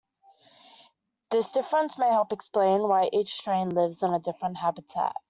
This difference may help explain why each strain lives in a different habitat.